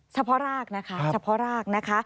เฉพาะรากนะคะ